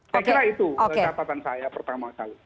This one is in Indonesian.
saya kira itu catatan saya pertama kali